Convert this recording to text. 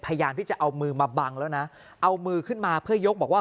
พยายามที่จะเอามือมาบังแล้วนะเอามือขึ้นมาเพื่อยกบอกว่า